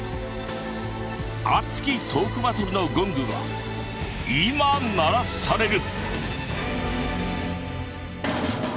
熱きトークバトルのゴングが今鳴らされる！